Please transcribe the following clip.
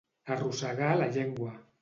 Arrossegar la llengua.